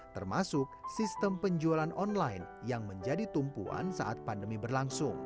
termasuk sistem penjualan online yang menjadi tumpuan saat pandemi berlangsung